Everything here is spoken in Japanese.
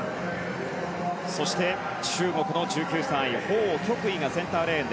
そして、中国の１９歳ホウ・キョクイがセンターレーン。